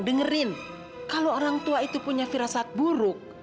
dengerin kalau orang tua itu punya firasat buruk